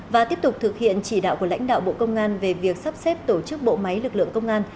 và tiếp tục thực hiện chỉ đạo của lãnh đạo bộ công an về việc sắp xếp tổ chức bộ máy lực lượng công an